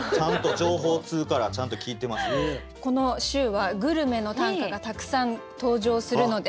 この週はグルメの短歌がたくさん登場するので。